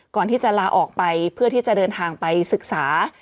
ก่อนที่จะลาออกไปเพื่อที่จะเดินทางไปศึกษา